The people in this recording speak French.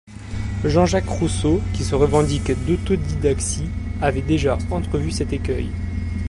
Jean-Jacques Rousseau, qui se revendique d'autodidaxie, avait déjà entrevu cet écueil.